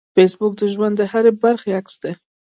فېسبوک د ژوند د هرې برخې عکس دی